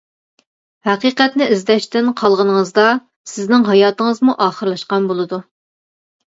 ھەقىقەتنى ئىزدەشتىن قالغىنىڭىزدا، سىزنىڭ ھاياتىڭىزمۇ ئاخىرلاشقان بولىدۇ.